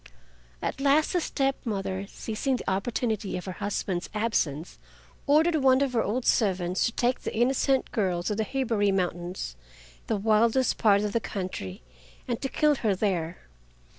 At last the step mother, seizing the opportunity of her husband's absence, ordered one of her old servants to take the innocent girl to the Hibari Mountains, the wildest part of the country, and to kill her there.